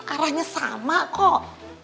arahnya sama kok